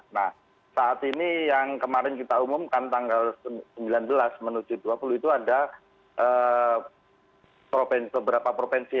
nah saat ini yang kemarin kita umumkan tanggal sembilan belas menuju dua puluh itu ada beberapa provinsi